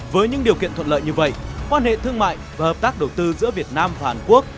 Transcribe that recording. với những điều kiện thuận lợi như vậy quan hệ thương mại và hợp tác đầu tư giữa việt nam và hàn quốc